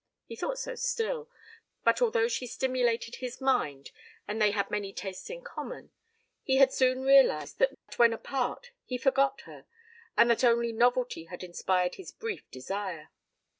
He thought so still; but although she stimulated his mind and they had many tastes in common, he had soon realized that when apart he forgot her and that only novelty had inspired his brief desire.